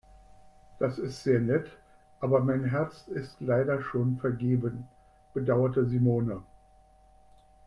"Das ist sehr nett, aber mein Herz ist leider schon vergeben", bedauerte Simone.